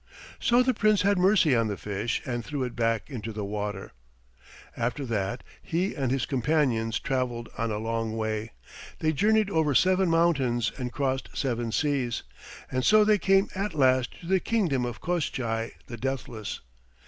So the Prince had mercy on the fish and threw it back into the water. After that he and his companions traveled on a long way. They journeyed over seven mountains and crossed seven seas, and so they came at last to the kingdom of Koshchei the Deathless.